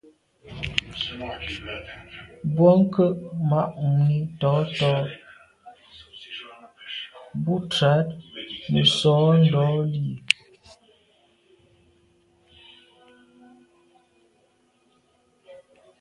Bwɔ́ŋkə́ʼ mǎʼ mùní tɔ̌ tɔ́ bú trǎt nə̀ sǒ ndǒlî.